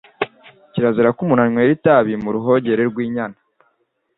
Kirazira ko umuntu anywera itabi mu ruhongore rw’inyana,